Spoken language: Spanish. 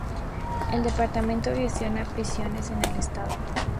El departamento gestiona prisiones en el estado.